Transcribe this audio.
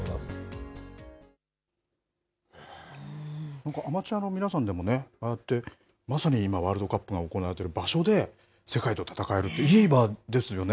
なんかアマチュアの皆さんでもね、ああやってまさに今、ワールドカップが行われている場所で、世界と戦えるって、いい場ですよね。